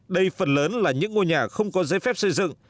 đây phần lớn là những ngôi nhà không có giấy phép xây dựng